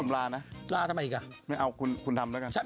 ล้าทำไมอีก๘๙เอาคุณทำเลยกัน